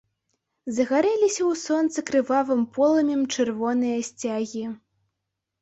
Загарэліся ў сонцы крывавым полымем чырвоныя сцягі.